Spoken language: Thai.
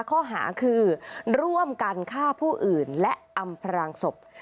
ข้อหาคือร่วมกันฆ่าผู้อื่นและอำพรางศพ